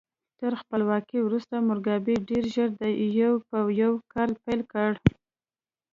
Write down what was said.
تر خپلواکۍ وروسته موګابي ډېر ژر یو په یو کار پیل کړ.